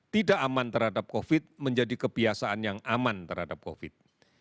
tidak aman terhadap covid menjadi kebiasaan yang aman terhadap covid